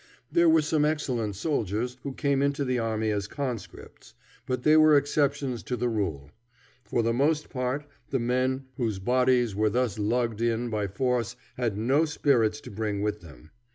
There were some excellent soldiers who came into the army as conscripts, but they were exceptions to the rule. For the most part the men whose bodies were thus lugged in by force had no spirits to bring with them.